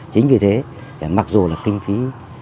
chính vì thế mặc dù là kinh phí